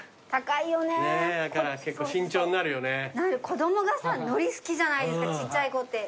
子供がさ海苔好きじゃないですかちっちゃい子って。